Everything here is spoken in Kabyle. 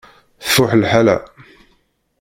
Tfuḥ lḥala.